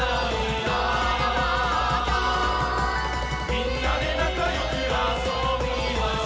「みんなでなかよくあそびましょ」